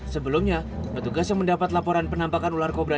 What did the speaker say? sebelumnya petugas yang mendapat laporan penampakan ular kobra